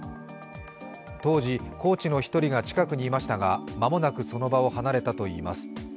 当時、コーチの一人が近くにいましたが、間もなくその場を離れたといいます。